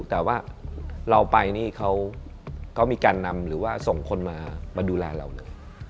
แต่ว่าเราไปนี่เขามีการนำหรือว่าส่งคนมาดูแลเราเลย